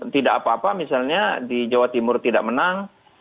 tidak apa apa misalnya di jawa timur tidak menang